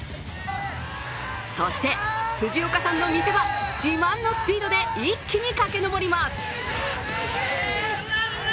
そして辻岡さんの見せ場、自慢のスピードで一気に駆け上ります。